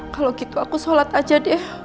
kalau gitu aku sholat aja deh